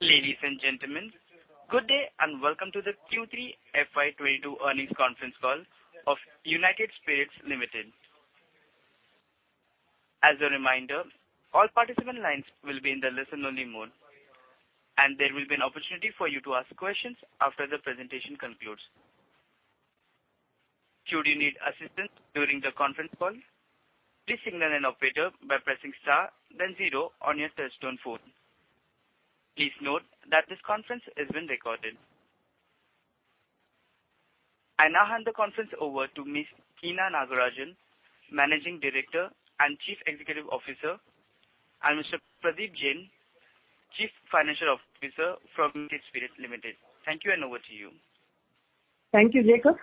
Ladies and gentlemen, good day, and welcome to the Q3 FY 2022 earnings conference call of United Spirits Limited. As a reminder, all participant lines will be in the listen-only mode, and there will be an opportunity for you to ask questions after the presentation concludes. Should you need assistance during the conference call, please signal an operator by pressing star then zero on your telephone phone. Please note that this conference is being recorded. I now hand the conference over to Ms. Hina Nagarajan, Managing Director and Chief Executive Officer, and Mr. Pradeep Jain, Chief Financial Officer from United Spirits Limited. Thank you, and over to you. Thank you, Jacob.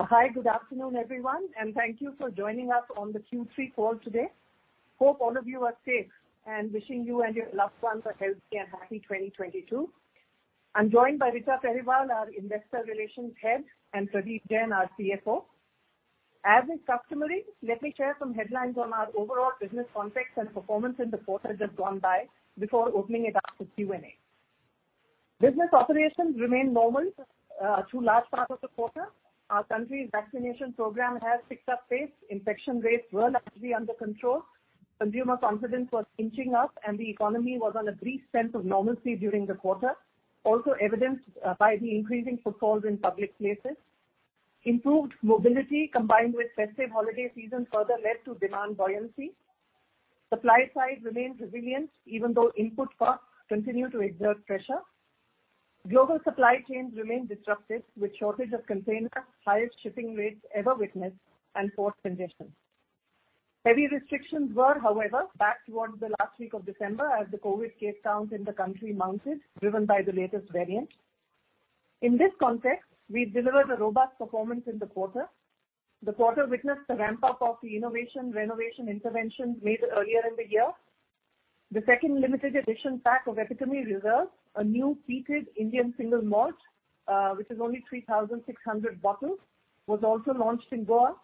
Hi, good afternoon, everyone, and thank you for joining us on the Q3 call today. Hope all of you are safe and wishing you and your loved ones a healthy and happy 2022. I'm joined by Richa Periwal, our Head of Investor Relations, and Pradeep Jain, our CFO. As is customary, let me share some headlines on our overall business context and performance in the quarter just gone by before opening it up to Q&A. Business operations remained normal through a large part of the quarter. Our country's vaccination program has picked up pace. Infection rates were largely under control. Consumer confidence was inching up, and the economy was on a brief sense of normalcy during the quarter, also evidenced by the increasing footfalls in public places. Improved mobility combined with festive holiday season further led to demand buoyancy. Supply side remained resilient even though input costs continued to exert pressure. Global supply chains remained disrupted with shortage of containers, highest shipping rates ever witnessed and port congestion. Heavy restrictions were, however, back towards the last week of December as the COVID case count in the country mounted, driven by the latest variant. In this context, we delivered a robust performance in the quarter. The quarter witnessed the ramp-up of the innovation renovation interventions made earlier in the year. The second limited edition pack of Epitome Reserve, a new peated Indian single malt, which is only 3,600 bottles, was also launched in Goa.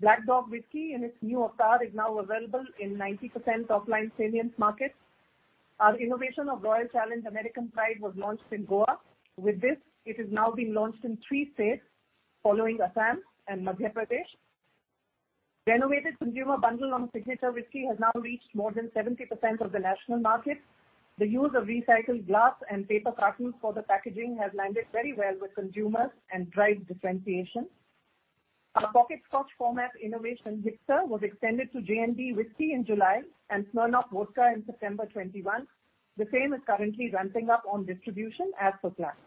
Black Dog Whisky in its new avatar is now available in 90% offline salience markets. Our innovation of Royal Challenge American Pride was launched in Goa. With this, it has now been launched in three states following Assam and Madhya Pradesh. Renovated consumer bundle on Signature Whisky has now reached more than 70% of the national market. The use of recycled glass and paper cartons for the packaging has landed very well with consumers and drives differentiation. Our pocket scotch format innovation Mixr was extended to J&B Whisky in July and Smirnoff Vodka in September 2021. The same is currently ramping up on distribution as per plan.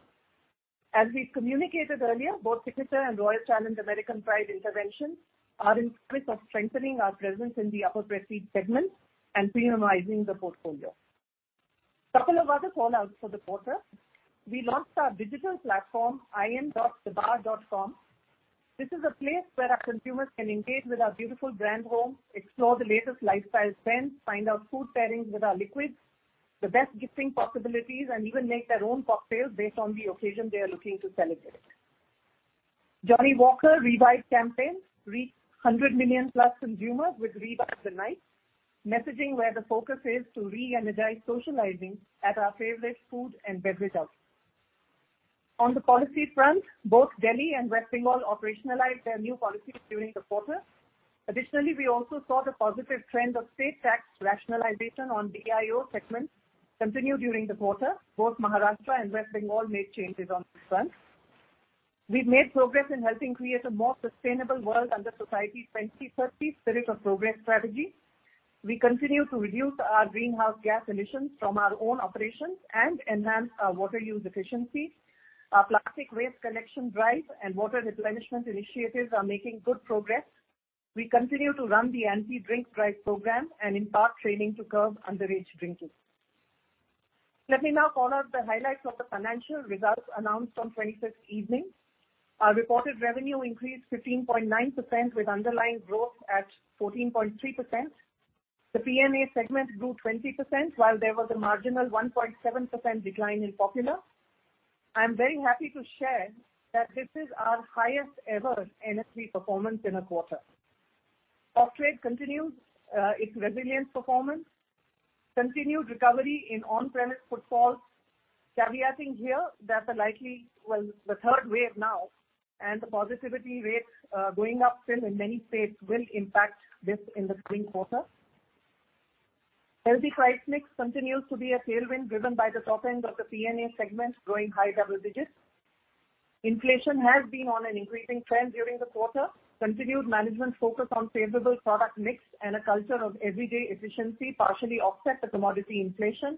As we communicated earlier, both Signature and Royal Challenge American Pride interventions are in pursuit of strengthening our presence in the upper prestige segment and premiumizing the portfolio. Couple of other callouts for the quarter. We launched our digital platform, in.thebar.com. This is a place where our consumers can engage with our beautiful brand home, explore the latest lifestyle trends, find out food pairings with our liquids, the best gifting possibilities, and even make their own cocktails based on the occasion they are looking to celebrate. Johnnie Walker Revive the Night campaign reached 100 million plus consumers with Revive the Night messaging where the focus is to re-energize socializing at our favorite food and beverage outlets. On the policy front, both Delhi and West Bengal operationalized their new policies during the quarter. Additionally, we also saw the positive trend of state tax rationalization on the DIO segment continue during the quarter. Both Maharashtra and West Bengal made changes on this front. We've made progress in helping create a more sustainable world under Society 2030 Spirit of Progress strategy. We continue to reduce our greenhouse gas emissions from our own operations and enhance our water use efficiency. Our plastic waste collection drive and water replenishment initiatives are making good progress. We continue to run the Anti Drink Drive program and impart training to curb underage drinking. Let me now call out the highlights of the financial results announced on 25th evening. Our reported revenue increased 15.9% with underlying growth at 14.3%. The P&A segment grew 20% while there was a marginal 1.7% decline in Popular. I'm very happy to share that this is our highest ever NSV performance in a quarter. Off-trade continued its resilient performance. Continued recovery in on-premise footfalls, caveating here that the third wave now and the positivity rates going up still in many states will impact this in the current quarter. Healthy price mix continues to be a tailwind driven by the top end of the P&A segment growing high double digits. Inflation has been on an increasing trend during the quarter. Continued management focus on favorable product mix and a culture of everyday efficiency partially offset the commodity inflation.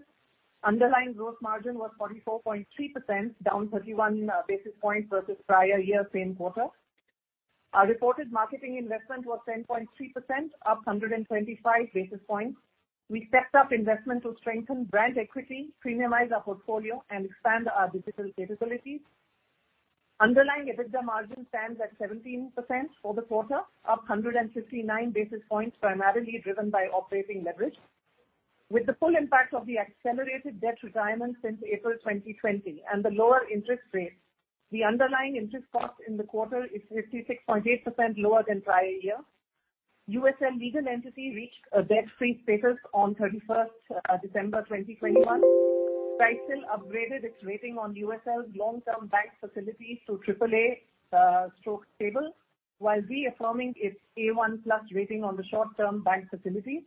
Underlying growth margin was 44.3%, down 31 basis points versus prior year same quarter. Our reported marketing investment was 10.3%, up 125 basis points. We stepped up investment to strengthen brand equity, premiumize our portfolio, and expand our digital capabilities. Underlying EBITDA margin stands at 17% for the quarter, up 159 basis points, primarily driven by operating leverage. With the full impact of the accelerated debt retirement since April 2020 and the lower interest rates, the underlying interest cost in the quarter is 56.8% lower than prior year. USL legal entity reached a debt-free status on December 31 2021. Fitch still upgraded its rating on USL's long-term bank facility to AAA/stable, while reaffirming its A1+ rating on the short-term bank facility.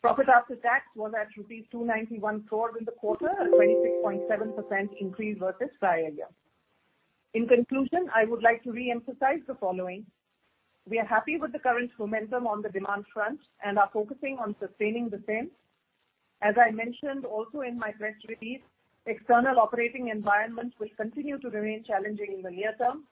Profit after tax was at INR 291 crore in the quarter, a 26.7% increase versus prior year. In conclusion, I would like to reemphasize the following. We are happy with the current momentum on the demand front and are focusing on sustaining the same. As I mentioned also in my press release, external operating environment will continue to remain challenging in the near term.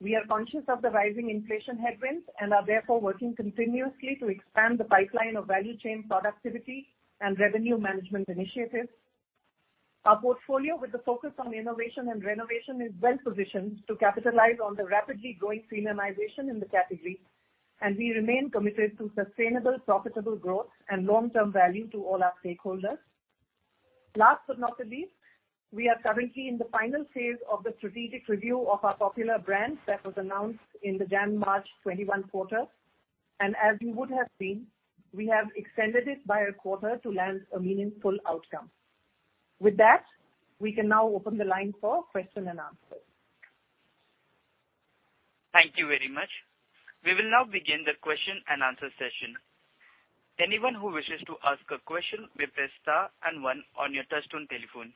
We are conscious of the rising inflation headwinds and are therefore working continuously to expand the pipeline of value chain productivity and revenue management initiatives. Our portfolio with the focus on innovation and renovation is well-positioned to capitalize on the rapidly growing premiumization in the category, and we remain committed to sustainable, profitable growth and long-term value to all our stakeholders. Last but not the least, we are currently in the final phase of the strategic review of our popular brands that was announced in the January-March 2021 quarter. As you would have seen, we have extended it by a quarter to land a meaningful outcome. With that, we can now open the line for question-and-answer. Thank you very much. We will now begin the question-and-answer session. Anyone who wishes to ask a question may press star and one on your touchtone telephone.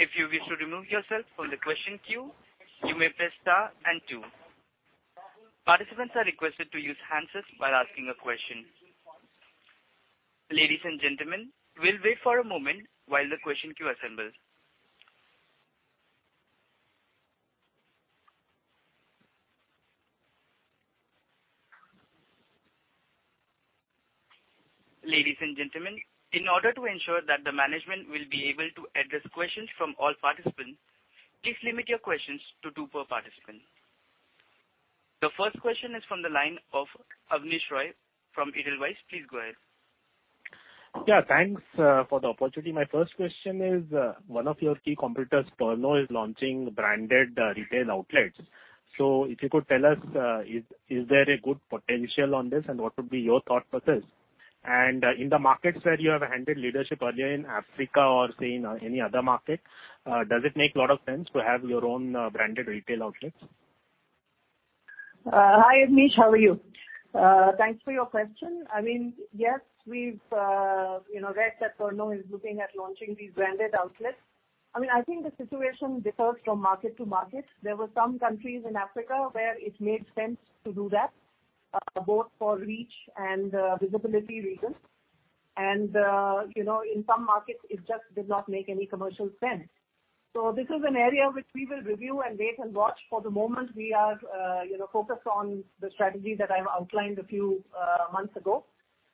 If you wish to remove yourself from the question queue, you may press star and two. Participants are requested to use handsets while asking a question. Ladies and gentlemen, we'll wait for a moment while the question queue assembles. Ladies and gentlemen, in order to ensure that the management will be able to address questions from all participants, please limit your questions to two per participant. The first question is from the line of Abneesh Roy from Edelweiss. Please go ahead. Yeah, thanks for the opportunity. My first question is, one of your key competitors, Pernod, is launching branded retail outlets. So if you could tell us, is there a good potential on this and what would be your thought process? In the markets where you have handed leadership earlier in Africa or say in any other market, does it make a lot of sense to have your own branded retail outlets? Hi, Abneesh, how are you? Thanks for your question. I mean, yes, we've, you know, read that Pernod is looking at launching these branded outlets. I mean, I think the situation differs from market to market. There were some countries in Africa where it made sense to do that, both for reach and, visibility reasons. You know, in some markets, it just does not make any commercial sense. This is an area which we will review and wait and watch. For the moment we are, you know, focused on the strategy that I've outlined a few, months ago.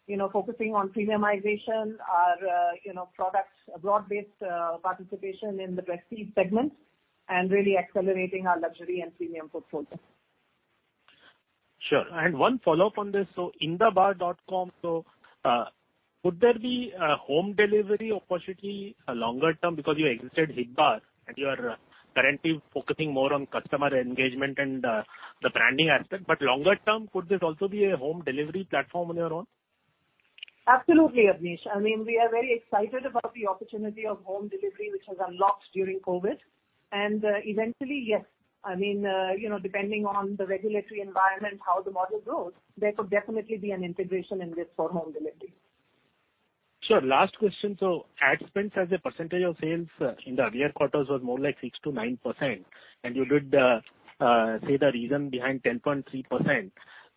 You know, focusing on premiumization, our, you know, products, broad-based, participation in the prestige segment and really accelerating our luxury and premium portfolio. Sure. One follow-up on this. inthebar.com, could there be a home delivery opportunity longer term because you exited HipBar and you are currently focusing more on customer engagement and the branding aspect. Longer term, could this also be a home delivery platform on your own? Absolutely, Abneesh. I mean, we are very excited about the opportunity of home delivery, which has unlocked during COVID. Eventually, yes. I mean, you know, depending on the regulatory environment, how the model grows, there could definitely be an integration in this for home delivery. Sure. Last question. Ad spends as a percentage of sales in the earlier quarters was more like 6%-9%, and you did say the reason behind 10.3%.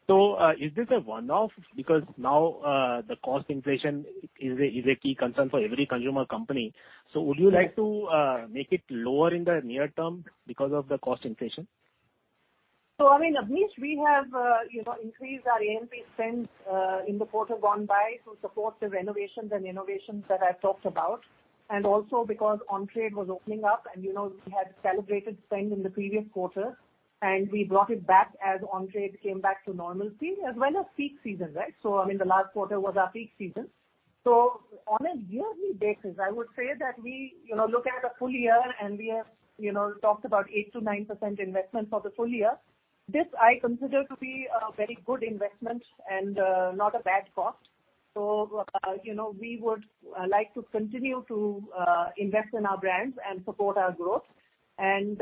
Is this a one-off? Because now the cost inflation is a key concern for every consumer company. Would you like to make it lower in the near term because of the cost inflation? I mean, Abneesh, we have, you know, increased our A&P spends in the quarter gone by to support the renovations and innovations that I've talked about, and also because on-trade was opening up and, you know, we had elevated spend in the previous quarter and we brought it back as on-trade came back to normalcy as well as peak season, right? I mean, the last quarter was our peak season. On a yearly basis, I would say that we, you know, look at a full year and we have, you know, talked about 8%-9% investment for the full year. This I consider to be a very good investment and, not a bad cost. You know, we would like to continue to invest in our brands and support our growth. You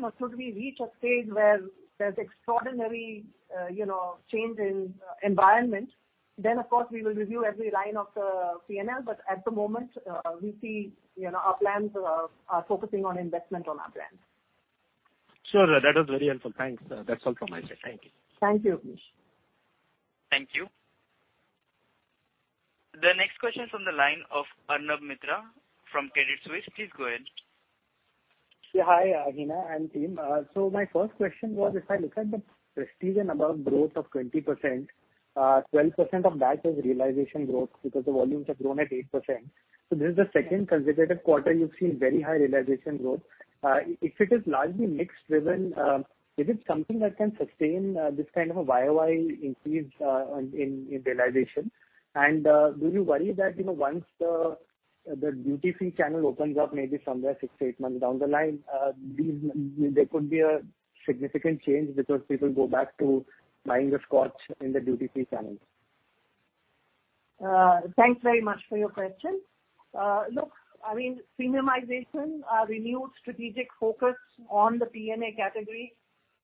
know, should we reach a stage where there's extraordinary, you know, change in environment, then of course, we will review every line of the P&L. At the moment, we see, you know, our plans are focusing on investment on our brands. Sure. That is very helpful. Thanks. That's all from my side. Thank you. Thank you, Abneesh. Thank you. The next question is from the line of Arnab Mitra from Credit Suisse. Please go ahead. Yeah. Hi, Hina and team. My first question was, if I look at the prestige and above growth of 20%, 12% of that is realization growth because the volumes have grown at 8%. This is the second consecutive quarter you've seen very high realization growth. If it is largely mix driven, is it something that can sustain this kind of a YOY increase in realization? Do you worry that, you know, once the duty-free channel opens up maybe somewhere six-eight months down the line, there could be a significant change because people go back to buying the scotch in the duty-free channels. Thanks very much for your question. Look, I mean, premiumization, renewed strategic focus on the P&A category.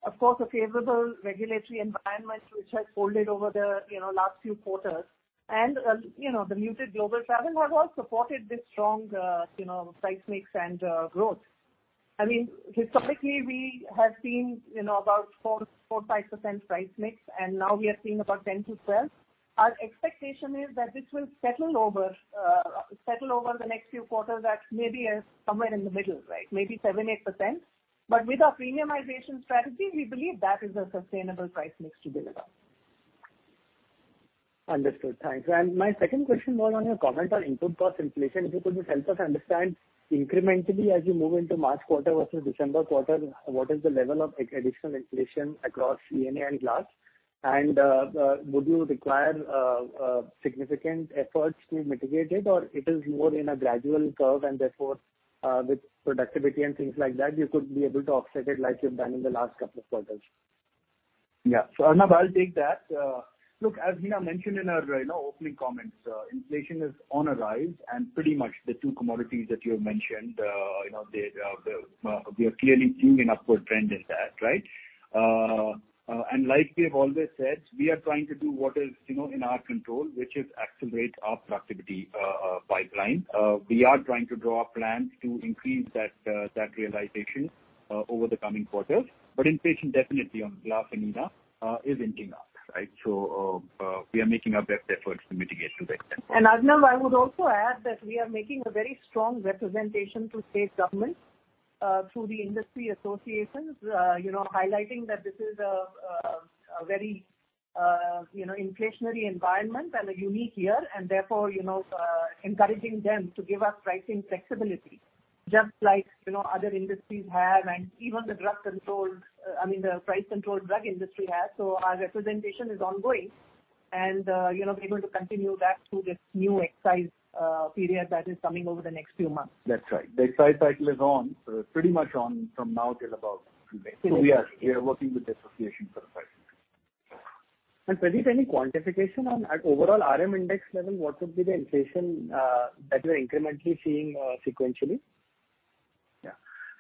Of course, a favorable regulatory environment which has unfolded over the, you know, last few quarters. You know, the muted global travel have all supported this strong, you know, price mix and growth. I mean, historically, we have seen, you know, about 4%-5% price mix, and now we are seeing about 10%-12%. Our expectation is that this will settle over the next few quarters at maybe, somewhere in the middle, right? Maybe 7%-8%. But with our premiumization strategy, we believe that is a sustainable price mix to deliver. Understood. Thanks. My second question was on your comment on input cost inflation. If you could just help us understand incrementally as you move into March quarter versus December quarter, what is the level of additional inflation across ENA and glass? Would you require significant efforts to mitigate it or it is more in a gradual curve and therefore, with productivity and things like that, you could be able to offset it like you've done in the last couple of quarters? Yeah. Arnab, I'll take that. Look, as Hina mentioned in our, you know, opening comments, inflation is on a rise, and pretty much the two commodities that you have mentioned, you know, we are clearly seeing an upward trend in that, right? And like we have always said, we are trying to do what is, you know, in our control, which is accelerate our productivity pipeline. We are trying to draw plans to increase that realization over the coming quarters. But inflation definitely on glass and ENA is inching up, right? We are making our best efforts to mitigate the same. Arnab, I would also add that we are making a very strong representation to state governments through the industry associations you know highlighting that this is a very you know inflationary environment and a unique year and therefore you know encouraging them to give us pricing flexibility just like you know other industries have and even the price controlled drug industry has. Our representation is ongoing and you know we're going to continue that through this new excise period that is coming over the next few months. That's right. The excise cycle is on, pretty much on from now till about mid-May. We are working with the association for the same. Pradeep, any quantification on the overall RM index level, what would be the inflation that you're incrementally seeing sequentially?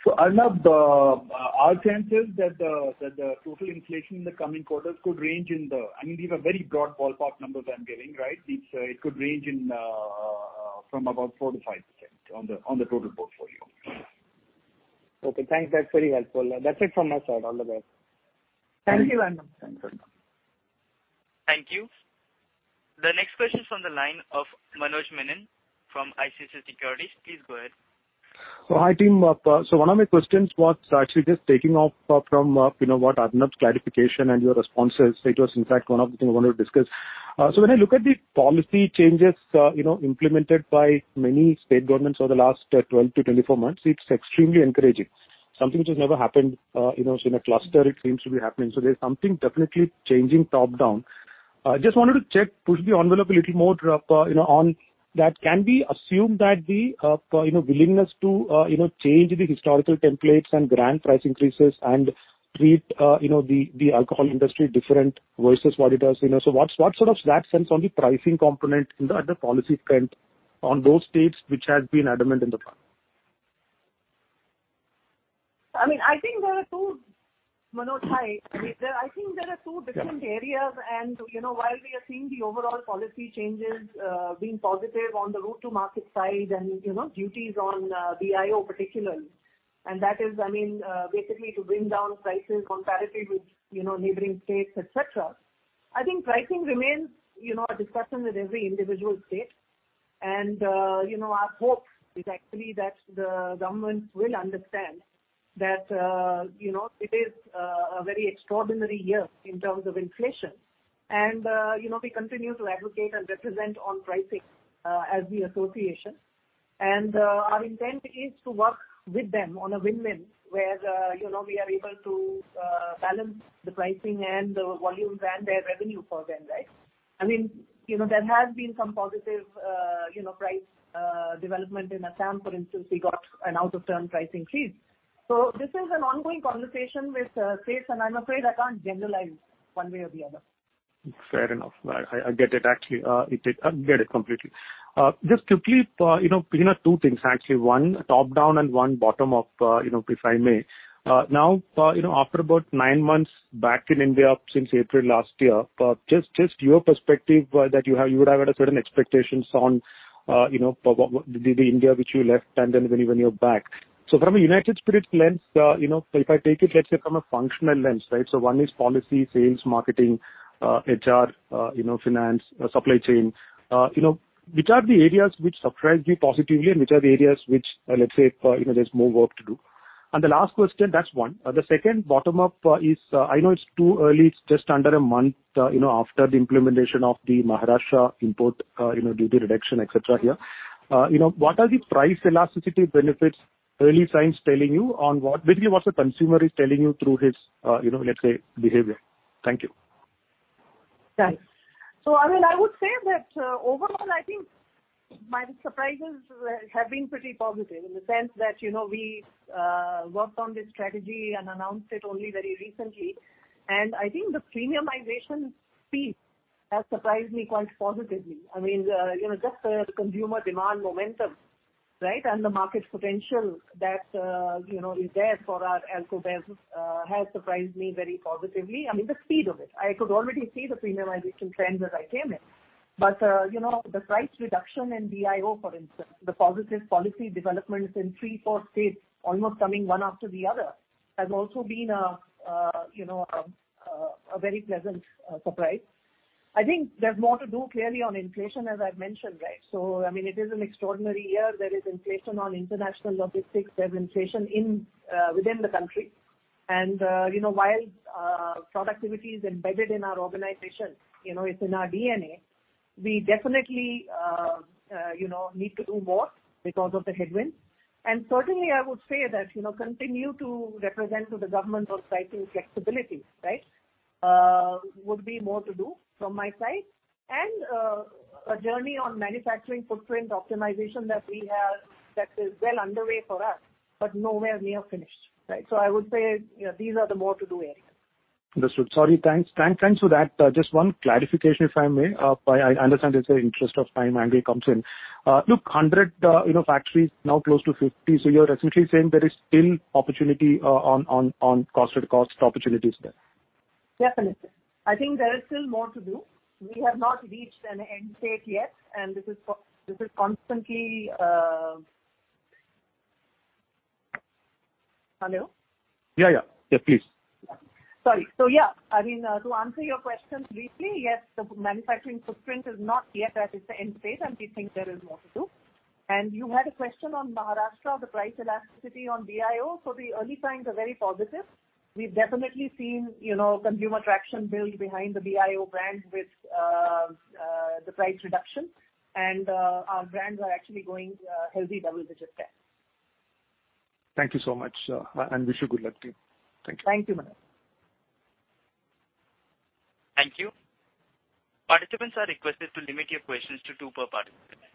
Yeah. Arnab, our sense is that the total inflation in the coming quarters could range from about 4%-5% on the total portfolio. I mean, these are very broad ballpark numbers I'm giving, right? Okay, thanks. That's very helpful. That's it from my side. All the best. Thank you, Arnab. Thanks, Arnab. Thank you. The next question is on the line of Manoj Menon from ICICI Securities. Please go ahead. Hi, team. One of my questions was actually just taking off from you know what, Arnab's clarification and your responses. It was in fact one of the things I wanted to discuss. When I look at the policy changes you know implemented by many state governments over the last 12-24 months, it's extremely encouraging. Something which has never happened you know in a cluster it seems to be happening. There's something definitely changing top-down. Just wanted to check, push the envelope a little more you know on that. Can we assume that the you know willingness to you know change the historical templates and grant price increases and treat you know the alcohol industry different versus what it has you know? What's sort of that sense on the pricing component in the policy front on those states which has been adamant in the past? Manoj, hi. I think there are two different areas. You know, while we are seeing the overall policy changes being positive on the route to market side and, you know, duties on BIO particularly, and that is, I mean, basically to bring down prices comparatively with, you know, neighboring states, et cetera. I think pricing remains, you know, a discussion with every individual state. You know, our hope is actually that the government will understand that, you know, it is a very extraordinary year in terms of inflation. You know, we continue to advocate and represent on pricing as the association. Our intent is to work with them on a win-win where, you know, we are able to, balance the pricing and the volumes and their revenue for them, right? I mean, you know, there has been some positive, you know, price, development. In Assam, for instance, we got an out of turn pricing freeze. This is an ongoing conversation with, states, and I'm afraid I can't generalize one way or the other. Fair enough. I get it, actually. I get it completely. Just quickly, you know, Hina, two things actually. One top-down and one bottom-up, you know, if I may. Now, you know, after about nine months back in India since April last year, just your perspective that you have, you would have had certain expectations on, you know, the India which you left and then when you, when you're back. From a United Spirits lens, you know, if I take it, let's say from a functional lens, right? One is policy, sales, marketing, HR, you know, finance, supply chain. You know, which are the areas which surprised you positively, and which are the areas which, let's say, you know, there's more work to do? The last question, that's one. The second bottom up is, I know it's too early. It's just under a month, you know, after the implementation of the Maharashtra import, you know, duty reduction, et cetera here. You know, what are the price elasticity benefits early signs telling you basically what the consumer is telling you through his, you know, let's say, behavior? Thank you. Right. I mean, I would say that, overall, I think my surprises have been pretty positive in the sense that, you know, we worked on this strategy and announced it only very recently. I think the premiumization piece has surprised me quite positively. I mean, you know, just the consumer demand momentum, right? The market potential that, you know, is there for our alcohol business, has surprised me very positively. I mean, the speed of it. I could already see the premiumization trend as I came in. You know, the price reduction in BIO, for instance, the positive policy developments in three, four states almost coming one after the other, has also been, you know, a very pleasant surprise. I think there's more to do clearly on inflation, as I've mentioned, right? I mean, it is an extraordinary year. There is inflation on international logistics. There's inflation within the country. While productivity is embedded in our organization, you know, it's in our DNA, we definitely, you know, need to do more because of the headwinds. Certainly, I would say that, you know, continue to represent to the government those types of flexibilities, right? Would be more to do from my side. A journey on manufacturing footprint optimization that we have is well underway for us, but nowhere near finished, right? I would say, you know, these are the more to do areas. Understood. Sorry. Thanks for that. Just one clarification, if I may. I understand it's in the interest of time. Angle comes in. From 100, you know, factories now close to 50. So you're essentially saying there is still opportunity on cost-to-cost opportunities there? Definitely. I think there is still more to do. We have not reached an end state yet. This is constantly. Hello? Yeah, yeah. Yeah, please. Sorry. Yeah, I mean, to answer your question briefly, yes, the manufacturing footprint is not yet at its end state, and we think there is more to do. You had a question on Maharashtra, the price elasticity on BIO. The early signs are very positive. We've definitely seen, you know, consumer traction build behind the BIO brand with the price reduction. Our brands are actually going healthy double-digit growth. Thank you so much. Wish you good luck too. Thank you. Thank you, Manoj. Thank you. Participants are requested to limit your questions to two per participant.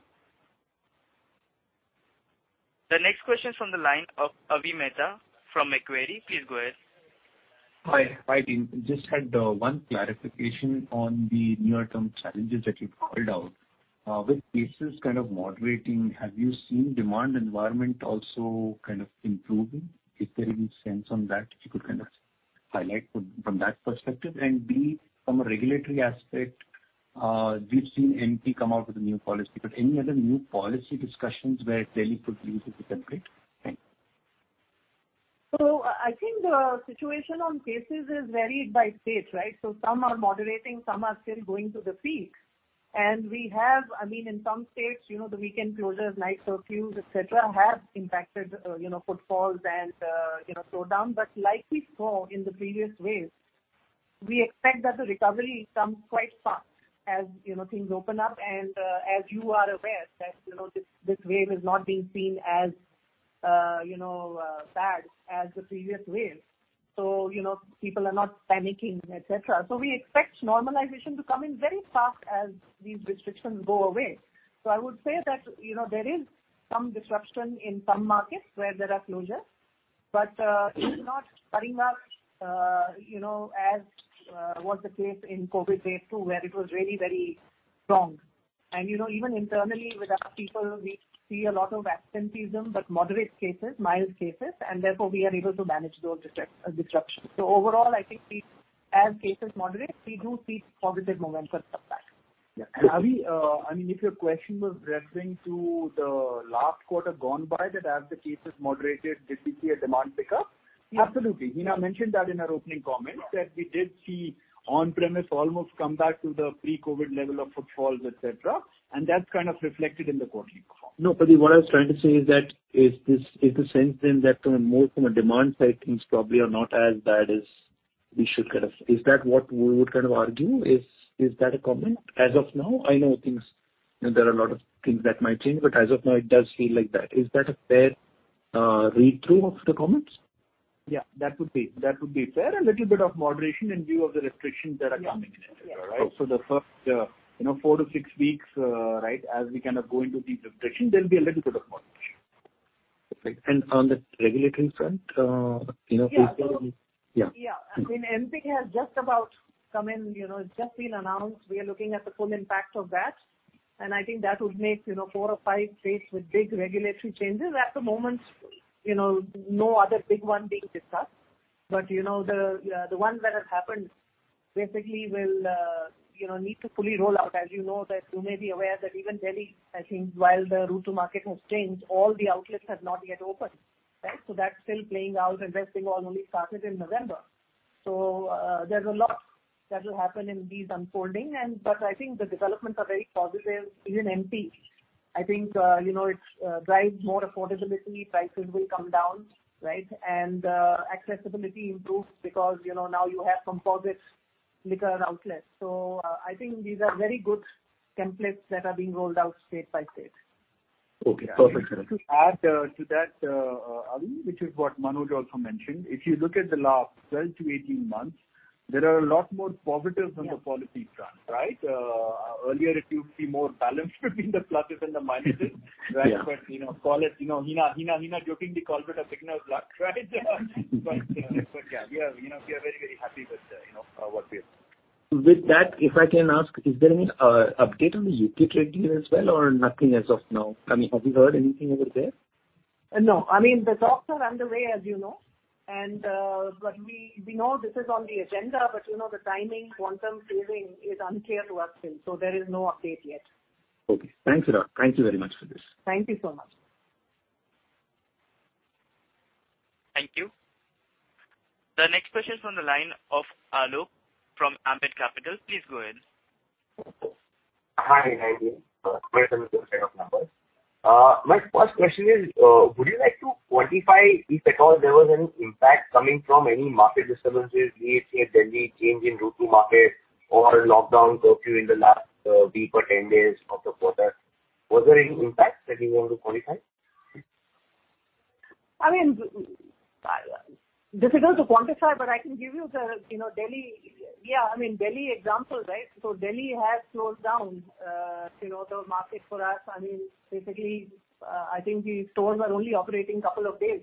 The next question is from the line of Avi Mehta from Macquarie. Please go ahead. Hi. Hi, team. Just had one clarification on the near-term challenges that you called out. With cases kind of moderating, have you seen demand environment also kind of improving? Is there any sense on that you could kind of highlight from that perspective? B, from a regulatory aspect, we've seen MP come out with a new policy. Any other new policy discussions where Delhi could lead to template? Thanks. I think the situation on cases is varied by state, right? Some are moderating, some are still going through the peak. We have... I mean, in some states, you know, the weekend closures, night curfews, et cetera, have impacted, you know, footfalls and, you know, slowdown. Like we saw in the previous waves, we expect that the recovery comes quite fast as, you know, things open up. As you are aware that, you know, this wave is not being seen as, you know, bad as the previous waves. You know, people are not panicking, et cetera. We expect normalization to come in very fast as these restrictions go away. I would say that, you know, there is some disruption in some markets where there are closures, but it is not hitting us, you know, as was the case in COVID wave two, where it was really very strong. You know, even internally with our people, we see a lot of absenteeism, but moderate cases, mild cases, and therefore we are able to manage those disruptions. Overall, I think as cases moderate, we do see positive momentum come back. Yeah. Avi, I mean, if your question was referring to the last quarter gone by that as the cases moderated, did we see a demand pickup? Yeah. Absolutely. Hina mentioned that in her opening comments that we did see on-premise almost come back to the pre-COVID level of footfalls, et cetera. That's kind of reflected in the quarterly call. No, what I was trying to say is that, is the sense then that more from a demand side, things probably are not as bad as we should kind of. Is that what we would kind of argue? Is that a comment as of now? I know things you know, there are a lot of things that might change, but as of now, it does feel like that. Is that a fair read-through of the comments? Yeah, that would be fair. A little bit of moderation in view of the restrictions that are coming in, et cetera, right? Yeah. Yeah. The first four-six weeks, right? As we kind of go into these restrictions, there'll be a little bit of moderation. Okay. On the regulatory front, you know. Yeah. Yeah. Yeah. I mean, MP has just about come in, you know. It's just been announced. We are looking at the full impact of that. I think that would make, you know, four or five states with big regulatory changes. At the moment, you know, no other big one being discussed. You know, the ones that have happened basically will, you know, need to fully roll out. As you know that, you may be aware that even Delhi, I think while the route to market has changed, all the outlets have not yet opened, right? That's still playing out, and West Bengal only started in November. There's a lot that will happen in these unfolding. I think the developments are very positive, even MP. I think, you know, it drives more affordability, prices will come down, right? Accessibility improves because, you know, now you have composite liquor outlets. I think these are very good templates that are being rolled out state by state. Okay, perfect. Add to that, Avi, which is what Manoj also mentioned. If you look at the last 12-18 months, there are a lot more positives on the policy front, right? Earlier it used to be more balanced between the pluses and the minuses. Yeah. Right? You know, call it, you know, Hina Nagarajan jokingly called it a signal of luck, right? Yeah, we are, you know, very happy with, you know, what we have. With that, if I can ask, is there any update on the UK trade deal as well, or nothing as of now? I mean, have you heard anything over there? No. I mean, the talks are underway, as you know, and, but we know this is on the agenda, but, you know, the timing, quantum, phasing is unclear to us still. There is no update yet. Okay. Thanks, Hina. Thank you very much for this. Thank you so much. Thank you. The next question is from the line of Alok from Ambit Capital. Please go ahead. Hi. Hi. Hi. My first question is, would you like to quantify if at all there was any impact coming from any market disturbances, be it say Delhi change in route to market or lockdown curfew in the last, week or 10 days of the quarter? Was there any impact that you want to quantify? I mean, difficult to quantify, but I can give you the, you know, Delhi example, right? Delhi has closed down, you know, the market for us. I mean, basically, I think the stores are only operating couple of days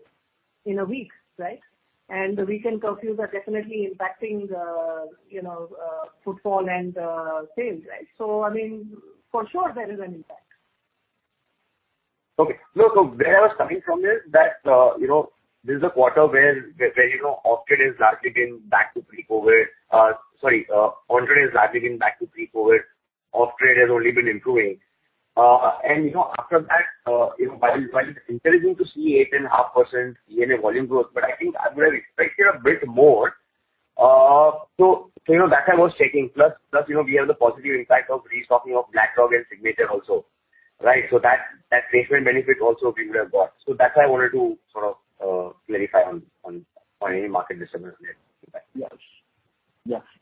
in a week, right? The weekend curfews are definitely impacting the, you know, footfall and sales, right? I mean, for sure there is an impact. Okay. No, where I was coming from is that, you know, this is a quarter where, you know, off-trade has largely been back to pre-COVID. Sorry, on-trade has largely been back to pre-COVID. Off-trade has only been improving. You know, after that, you know, while it's encouraging to see 8.5% ENA volume growth, but I think I would have expected a bit more. You know, that's why I was checking. Plus, you know, we have the positive impact of restocking of Black Dog and Signature also, right? That base benefit also we would have got. That's why I wanted to sort of clarify on any market disturbance impact. Yes.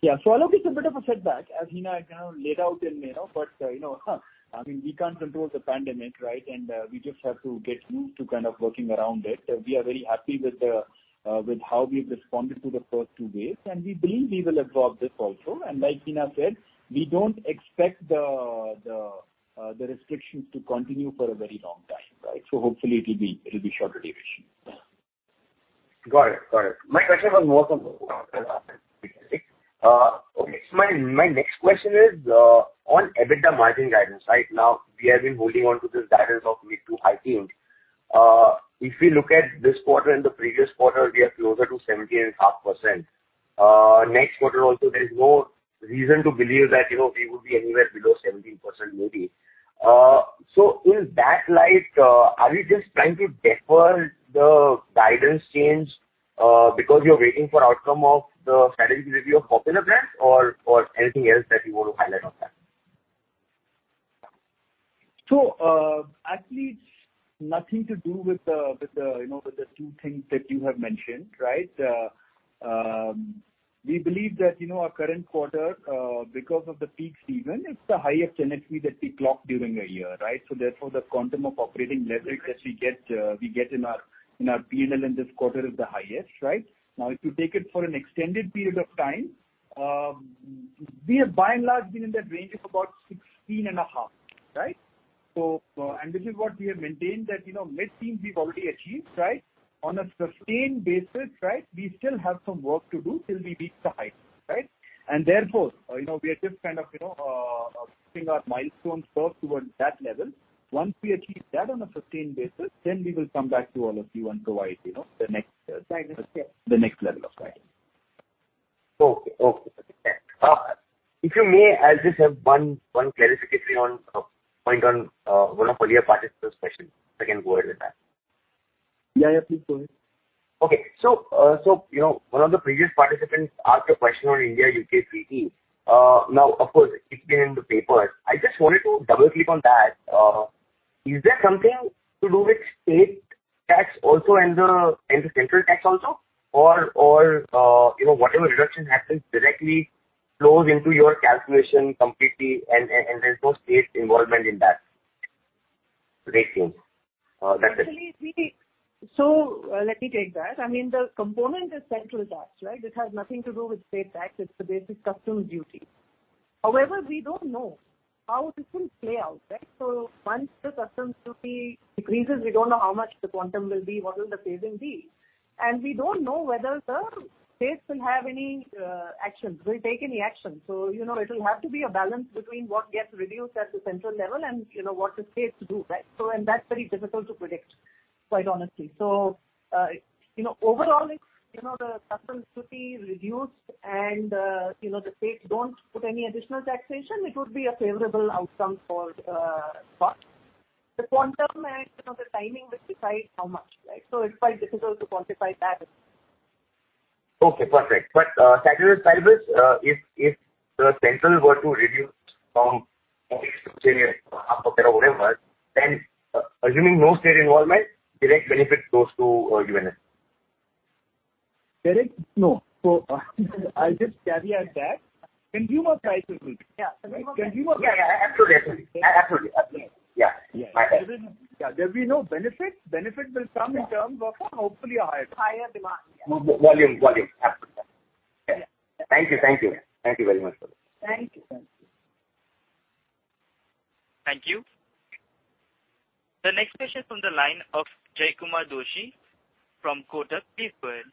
Yeah. Alok, it's a bit of a setback as Hina kind of laid out in May, you know. You know, I mean, we can't control the pandemic, right? We just have to get used to kind of working around it. We are very happy with how we've responded to the first two waves, and we believe we will absorb this also. Like Hina said, we don't expect the restrictions to continue for a very long time, right? Hopefully it'll be shorter duration. Yeah. Got it. My next question is on EBITDA margin guidance. Right now, we have been holding on to this guidance of mid- to high-teens. If we look at this quarter and the previous quarter, we are closer to 17.5%. Next quarter also, there is no reason to believe that, you know, we would be anywhere below 17% maybe. In that light, are we just trying to defer the guidance change because you're waiting for outcome of the strategic review of popular brands or anything else that you want to highlight on that? Actually it's nothing to do with, you know, the two things that you have mentioned, right? We believe that, you know, our current quarter, because of the peak season, it's the highest NSV that we clock during a year, right? Therefore, the quantum of operating leverage that we get in our P&L in this quarter is the highest, right? Now, if you take it for an extended period of time, we have by and large been in that range of about 16.5%, right? This is what we have maintained that, you know, mid-teens we've already achieved, right? On a sustained basis, right, we still have some work to do till we reach the high, right? Therefore, you know, we are just kind of, you know, keeping our milestones first towards that level. Once we achieve that on a sustained basis, then we will come back to all of you and provide, you know, the next- Guidance, yeah. The next level of guidance. Okay. If you may, I'll just have one clarificatory point on one of the earlier participant's question. If I can go ahead with that. Yeah, yeah. Please go ahead. Okay. You know, one of the previous participants asked a question on India-U.K. free trade. Now, of course, it's been in the papers. I just wanted to double-click on that. Is there something to do with state tax also and the central tax also? Or you know, whatever reduction happens directly flows into your calculation completely and there's no state involvement in that rate change? That's it. Let me take that. I mean, the component is central tax, right? It has nothing to do with state tax. It's the basic customs duty. However, we don't know how this will play out, right? Once the customs duty decreases, we don't know how much the quantum will be, what will the phasing be. We don't know whether the states will have any action, will take any action. You know, it'll have to be a balance between what gets reduced at the central level and, you know, what the states do, right? That's very difficult to predict, quite honestly. You know, overall, if you know, the customs duty reduced and you know, the states don't put any additional taxation, it would be a favorable outcome for us. The quantum and, you know, the timing will decide how much, right? It's quite difficult to quantify that. Okay, perfect. Ceteris paribus, if the central were to reduce from whatever, then assuming no state involvement, direct benefit goes to USL. Correct. No. I'll just carry on that. Consumer price will be. Yeah. Consumer- Yeah, absolutely. Yeah. Yeah. My bad. Yeah. There'll be no benefit. Benefit will come in terms of, hopefully a higher price. Higher demand, yeah. Volume, volume. Absolutely. Yeah, yeah. Thank you. Thank you very much for that. Thank you. Thank you. The next question from the line of Jaykumar Doshi from Kotak. Please go ahead.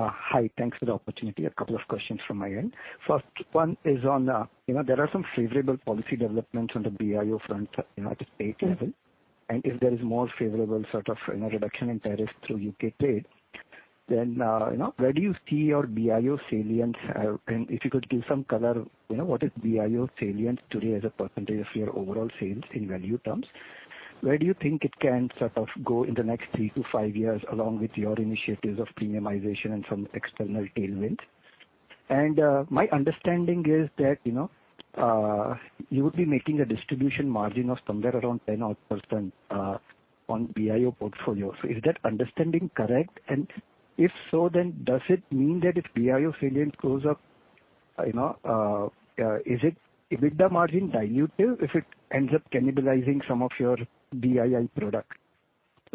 Hi. Thanks for the opportunity. A couple of questions from my end. First one is on, you know, there are some favorable policy developments on the BIO front, you know, at state level. If there is more favorable sort of, you know, reduction in tariffs through UK trade, then, you know, where do you see your BIO salience? If you could give some color, you know, what is BIO salience today as a percentage of your overall sales in value terms? Where do you think it can sort of go in the next three-five years along with your initiatives of premiumization and some external tailwinds? My understanding is that, you know, you would be making a distribution margin of somewhere around 10-odd% on BIO portfolio. Is that understanding correct? If so, then does it mean that if BIO salience goes up, you know, is it EBITDA margin dilutive if it ends up cannibalizing some of your DIO product?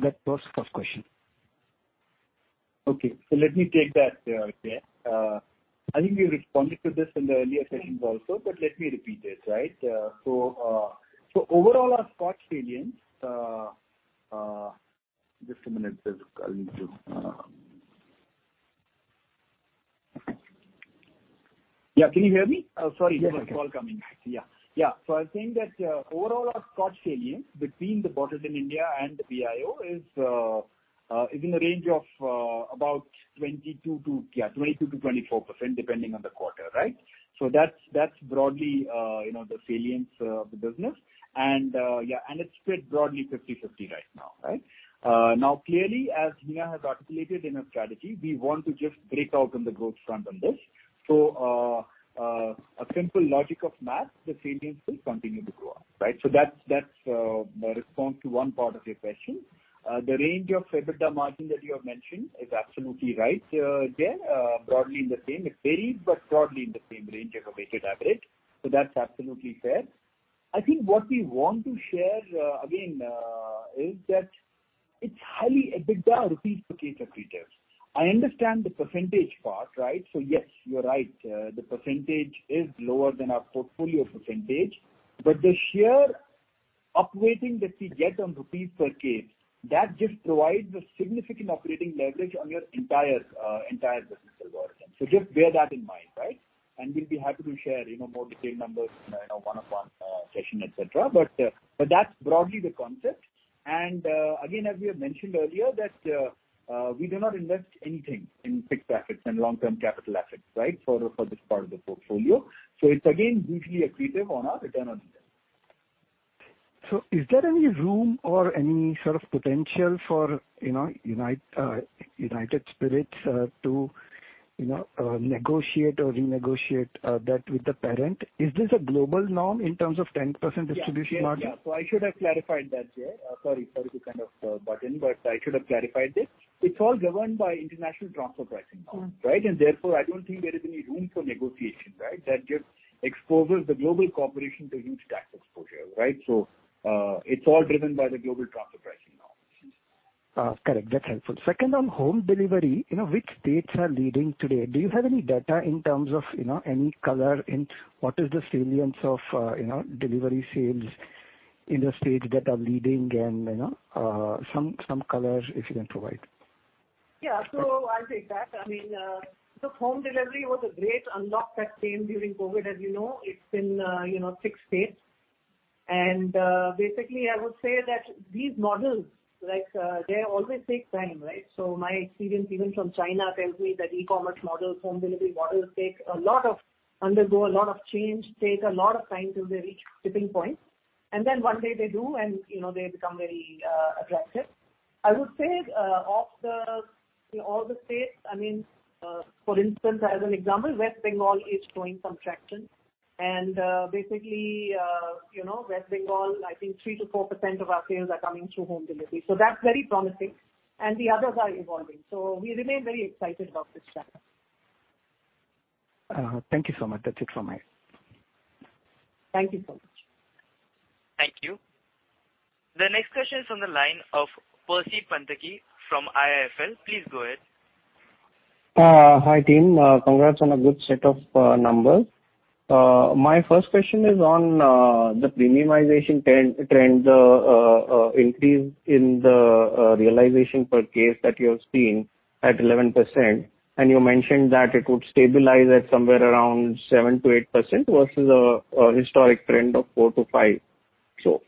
That's first question. Okay. Let me take that, Jay. I think we've responded to this in the earlier sessions also, but let me repeat it, right? Overall our scotch salience. Just a minute, Jay. I'll need to. Yeah. Can you hear me? Sorry. Yes. I think that overall our scotch salience between the Bottled in India and the BIO is in the range of about 22%-24%, depending on the quarter, right? That's broadly you know the salience of the business. It's split broadly 50/50 right now, right? Now, clearly, as Hina has articulated in her strategy, we want to just break out on the growth front on this. A simple logic of math, the salience will continue to grow up, right? That's my response to one part of your question. The range of EBITDA margin that you have mentioned is absolutely right, Jay. Broadly in the same. It varied, but broadly in the same range as a weighted average. That's absolutely fair. I think what we want to share, again, is that it's highly EBITDA INR per case accretive. I understand the percentage part, right? Yes, you're right. The percentage is lower than our portfolio percentage, but the sheer upweighting that we get on INR per case, that just provides a significant operating leverage on your entire business overall. Just bear that in mind, right? We'll be happy to share, you know, more detailed numbers in our, you know, one-on-one session, et cetera. But that's broadly the concept. Again, as we have mentioned earlier that we do not invest anything in fixed assets and long-term capital assets, right? For this part of the portfolio. It's again hugely accretive on our return on investment. Is there any room or any sort of potential for, you know, United Spirits, to, you know, negotiate or renegotiate, that with the parent? Is this a global norm in terms of 10% distribution margin? Yeah. I should have clarified that, Jay. Sorry to kind of butt in, but I should have clarified it. It's all governed by international transfer pricing now, right? Mm-hmm. Therefore, I don't think there is any room for negotiation, right? That just exposes the global corporation to huge tax exposure, right? It's all driven by the global transfer pricing now. Correct. That's helpful. Second, on home delivery, you know, which states are leading today? Do you have any data in terms of, you know, any color in what is the salience of, you know, delivery sales in the states that are leading and, you know, some colors if you can provide. Yeah. I'll take that. I mean, look, home delivery was a great unlock that came during COVID, as you know. It's been, you know, six states. Basically, I would say that these models, like, they always take time, right? My experience even from China tells me that e-commerce models, home delivery models undergo a lot of change, take a lot of time till they reach tipping point. Then one day they do and, you know, they become very attractive. I would say, of all the states, I mean, for instance, as an example, West Bengal is showing some traction. Basically, you know, West Bengal, I think 3%-4% of our sales are coming through home delivery, so that's very promising. The others are evolving. We remain very excited about this channel. Thank you so much. That's it from my end. Thank you so much. Thank you. The next question is from the line of Percy Panthaki from IIFL. Please go ahead. Hi, team. Congrats on a good set of numbers. My first question is on the premiumization trend, increase in the realization per case that you have seen at 11%, and you mentioned that it would stabilize at somewhere around 7%-8% versus a historic trend of 4%-5%.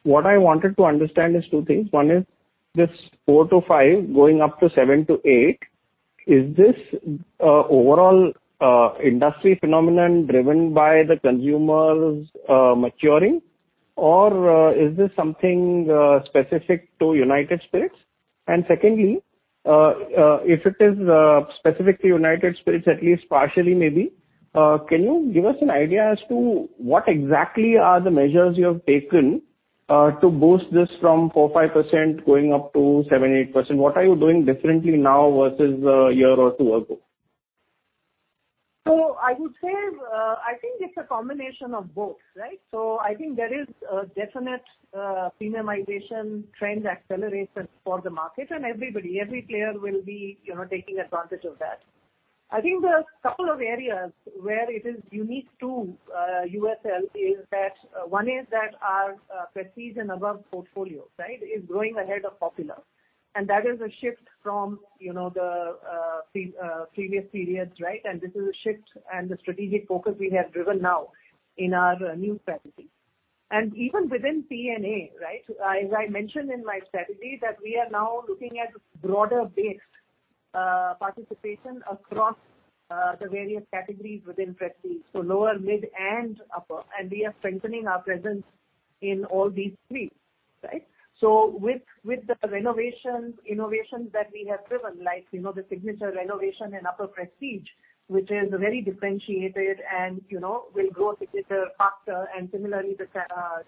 What I wanted to understand is two things. One is this 4%-5% going up to 7%-8%, is this overall industry phenomenon driven by the consumers maturing, or is this something specific to United Spirits? Secondly, if it is specific to United Spirits, at least partially maybe, can you give us an idea as to what exactly are the measures you have taken to boost this from 4%-5% going up to 7%-8%, what are you doing differently now versus a year or two ago? I would say, I think it's a combination of both, right? I think there is a definite, premiumization trend acceleration for the market, and everybody, every player will be, you know, taking advantage of that. I think there are a couple of areas where it is unique to USL, is that, one is that our, Prestige and Above portfolio, right, is growing ahead of popular. That is a shift from, you know, the, previous periods, right? This is a shift and the strategic focus we have driven now in our new strategy. Even within P&A, right, as I mentioned in my strategy, that we are now looking at broader-based, participation across, the various categories within prestige, so lower, mid, and upper, and we are strengthening our presence in all these three, right? With the renovations, innovations that we have driven, like, you know, the Signature renovation in upper prestige, which is very differentiated and, you know, will grow Signature faster, and similarly the,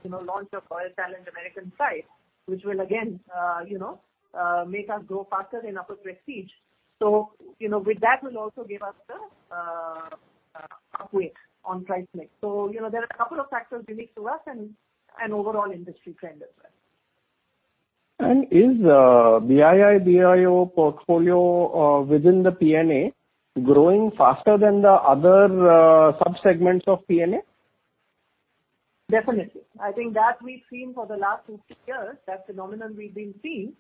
you know, launch of Royal Challenge American Pride, which will again, you know, make us grow faster in upper prestige. You know, with that will also give us the upweight on price mix. You know, there are a couple of factors unique to us and overall industry trend as well. Is BII/BIO portfolio within the P&A growing faster than the other subsegments of P&A? Definitely. I think that we've seen for the last two, three years, that phenomenon we've been seeing.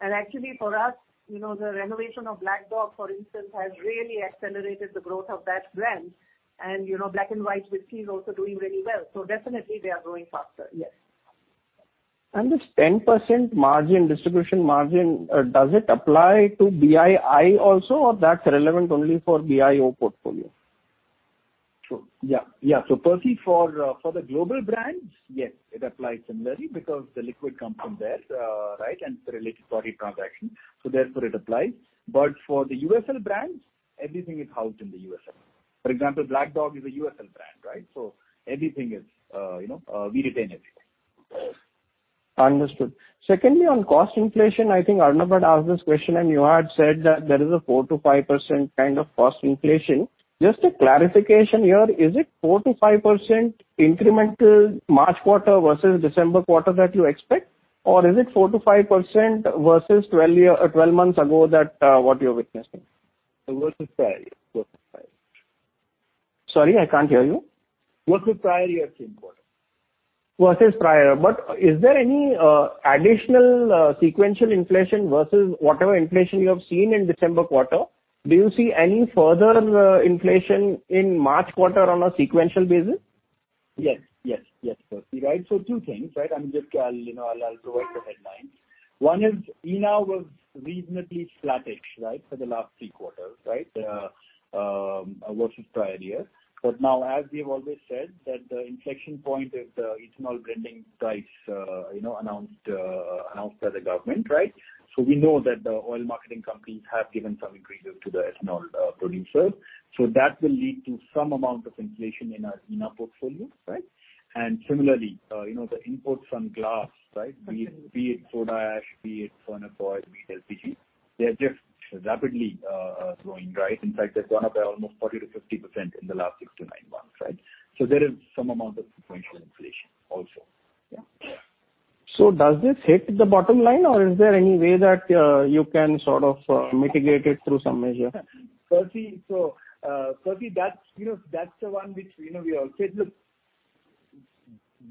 Actually for us, you know, the renovation of Black Dog, for instance, has really accelerated the growth of that brand. You know, Black & White whisky is also doing really well. Definitely they are growing faster, yes. This 10% margin, distribution margin, does it apply to BII also, or that's relevant only for BIO portfolio? Sure. Yeah, yeah. Percy, for the global brands, yes, it applies similarly because the liquid comes from there, right, and it's a related party transaction, so therefore it applies. But for the USL brands, everything is housed in the USL. For example, Black Dog is a USL brand, right? So everything is, you know, we retain everything. Understood. Secondly, on cost inflation, I think Arnab asked this question and you had said that there is a 4%-5% kind of cost inflation. Just a clarification here, is it 4%-5% incremental March quarter versus December quarter that you expect? Or is it 4%-5% versus 12 months ago that what you are witnessing? Versus prior year. Sorry, I can't hear you. Versus prior year's import. Versus prior. Is there any additional sequential inflation versus whatever inflation you have seen in December quarter? Do you see any further inflation in March quarter on a sequential basis? Yes, Percy, right. Two things, right? I'm just, you know, I'll go with the headlines. One is, ENA was reasonably flattish, right, for the last three quarters, right? Versus prior year. Now, as we have always said that the inflection point is the ethanol blending price, you know, announced by the government, right? We know that the oil marketing companies have given some increase to the ethanol producers. That will lead to some amount of inflation in our portfolio, right? Similarly, you know, the imports on glass, right, be it soda ash, be it monopoly, be it LPG, they're just rapidly growing, right? In fact, they've gone up by almost 40%-50% in the last six to nine months, right? There is some amount of sequential inflation also. Yeah. Does this hit the bottom line or is there any way that you can sort of mitigate it through some measure? Percy Panthaki, that's, you know, that's the one which, you know, we all said, look,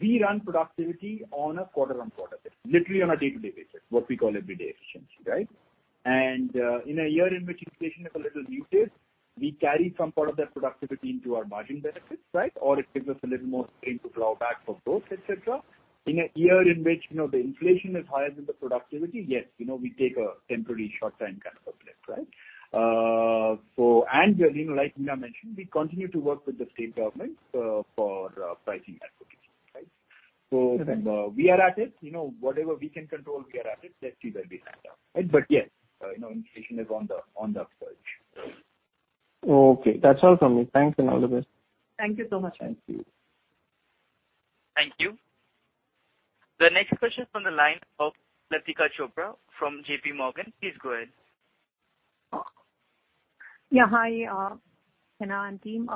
we run productivity on a quarter-on-quarter basis, literally on a day-to-day basis, what we call everyday efficiency, right? In a year in which inflation is a little muted, we carry some part of that productivity into our margin benefits, right? It gives us a little more strength to draw back for growth, et cetera. In a year in which, you know, the inflation is higher than the productivity, yes, you know, we take a temporary short-term kind of a blip, right? Like Hina Nagarajan mentioned, we continue to work with the state governments for pricing advocacy, right? Okay. We are at it. You know, whatever we can control, we are at it. Let's see where we stand up, right. Yes, you know, inflation is on the surge. Okay. That's all from me. Thanks and all the best. Thank you so much. Thank you. Thank you. The next question from the line of Latika Chopra from JPMorgan. Please go ahead. Yeah, hi, Hina Nagarajan and team.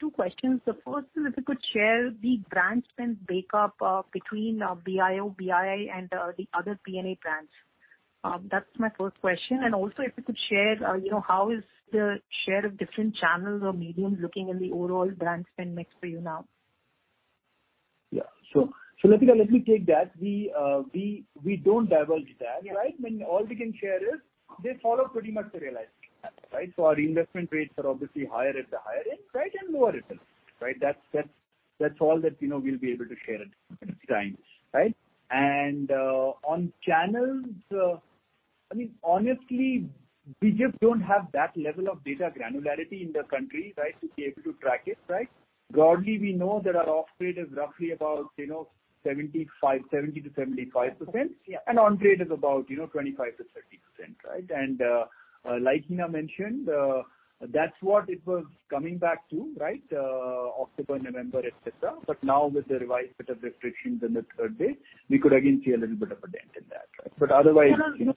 Two questions. The first is if you could share the brand spend breakup between BIO, BII and the other P&A brands. That's my first question. Also if you could share you know how is the share of different channels or mediums looking in the overall brand spend mix for you now? Yeah. Latika, let me take that. We don't divulge that, right? Yeah. I mean, all we can share is they follow pretty much the realized income, right? So our investment rates are obviously higher at the higher end, right, and lower at the bottom, right? That's all that, you know, we'll be able to share at this time, right? On channels, I mean, honestly, we just don't have that level of data granularity in the country, right, to be able to track it, right? Broadly, we know that our off-trade is roughly about, you know, 70%-75%. Yeah. On-trade is about, you know, 25%-30%. Right. Like Hina mentioned, that's what it was coming back to, right? October, November, et cetera. Now with the revised set of restrictions in the third wave, we could again see a little bit of a dent in that, right? But otherwise. No, no.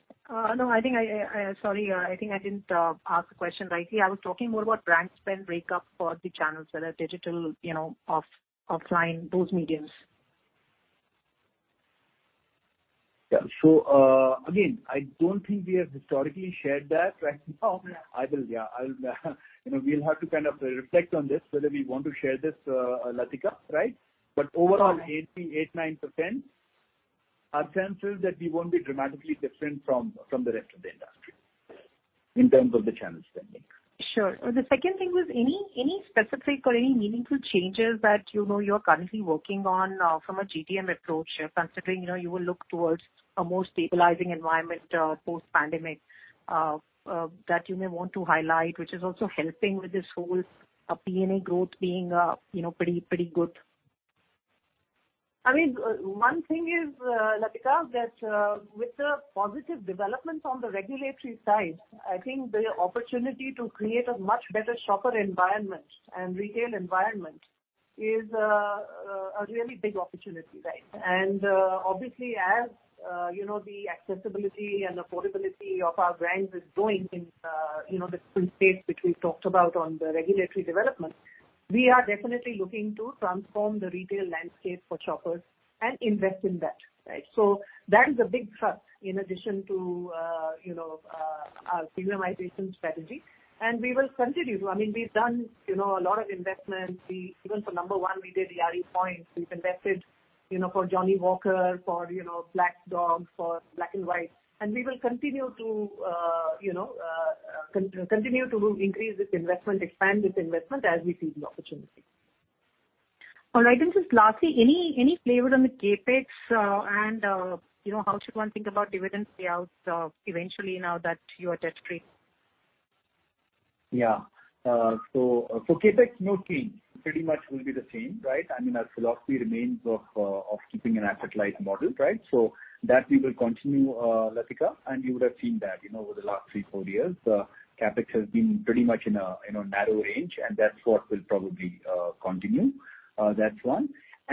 Sorry, I think I didn't ask the question rightly. I was talking more about brand spend breakup for the channels, whether digital, you know, offline, those mediums. Yeah. Again, I don't think we have historically shared that right now. Yeah. Yeah, I'll, you know, we'll have to kind of reflect on this whether we want to share this, Latika, right? Sure. Overall 88%-89%. Our sense is that we won't be dramatically different from the rest of the industry in terms of the channel spending. Sure. The second thing was any specific or any meaningful changes that, you know, you're currently working on from a GTM approach, considering, you know, you will look towards a more stabilizing environment post-pandemic that you may want to highlight, which is also helping with this whole P&A growth being, you know, pretty good. I mean, one thing is, Latika, that with the positive developments on the regulatory side, I think the opportunity to create a much better shopper environment and retail environment is a really big opportunity, right? Obviously, as you know, the accessibility and affordability of our brands is growing in, you know, different states, which we talked about on the regulatory development, we are definitely looking to transform the retail landscape for shoppers and invest in that, right? That is a big thrust in addition to, you know, our premiumization strategy. We will continue to, I mean, we've done, you know, a lot of investments. Even for McDowell's No.1, we did RE points. We've invested, you know, for Johnnie Walker, for, you know, Black Dog, for Black and White, and we will continue to increase this investment, expand this investment as we see the opportunity. All right. Just lastly, any flavor on the CapEx, and you know, how should one think about dividend payouts, eventually now that you are debt free? Yeah. So for CapEx, no change. Pretty much will be the same, right? I mean, our philosophy remains of keeping an asset-light model, right? So that we will continue, Latika, and you would have seen that, you know, over the last three-four years, CapEx has been pretty much in a narrow range, and that's what will probably continue. That's one.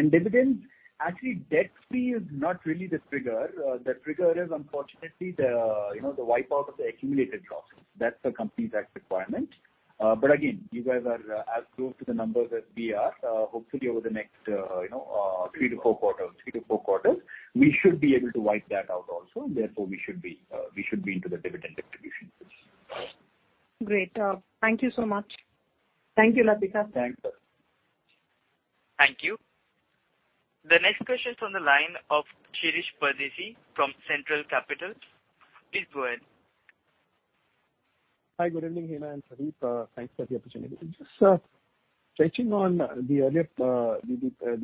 Dividends, actually, debt free is not really the trigger. The trigger is unfortunately the wipe out of the accumulated losses. That's the company's tax requirement. Again, you guys are as close to the numbers as we are. Hopefully over the next three-four quarters, we should be able to wipe that out also. Therefore, we should be into the dividend distribution phase. Great. Thank you so much. Thank you, Latika. Thanks. Thank you. The next question is on the line of Shirish Pardeshi from Centrum Broking. Please go ahead. Hi, good evening, Hina and Pradeep. Thanks for the opportunity. Just touching on the earlier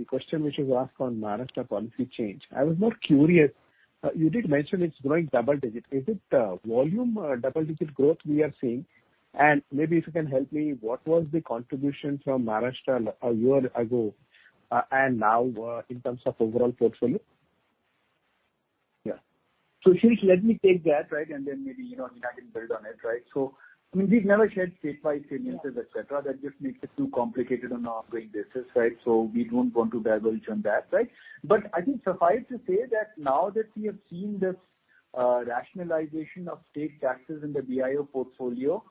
question which was asked on Maharashtra policy change. I was more curious. You did mention it's growing double digit. Is it volume double digit growth we are seeing? Maybe if you can help me, what was the contribution from Maharashtra a year ago, and now, in terms of overall portfolio? Yeah. Shirish, let me take that, right? Then maybe, you know, Hina can build on it, right? I mean, we've never shared state by sales- Yeah Et cetera. That just makes it too complicated on an ongoing basis, right? We don't want to divulge on that, right? I think suffice to say that now that we have seen this rationalization of state taxes in the BIO portfolio